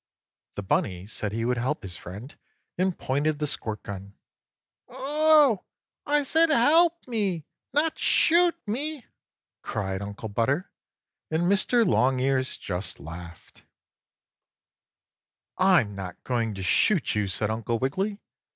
The bunny said he would help his friend, and pointed the squirt gun. "Oh, I said HELP me—not SHOOT me!" cried Uncle Butter, and Mr. Longears just laughed. 5. "I'm not going to shoot you!" said Uncle Wiggily.